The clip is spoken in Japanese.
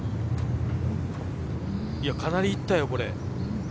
いや、かなりいったよ、これ。